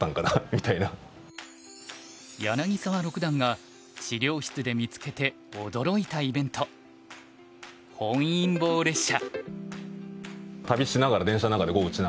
柳澤六段が資料室で見つけて驚いたイベント本因坊列車。